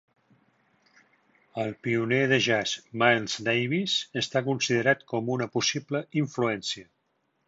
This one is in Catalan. El pioner de Jazz, Miles Davis, està considerat com una possible influència.